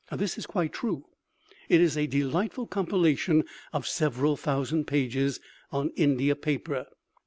This is quite true. It is a delightful compilation of several thousand pages, on India paper.